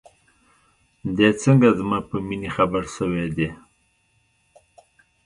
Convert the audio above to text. دى څنگه زما په مينې خبر سوى دى.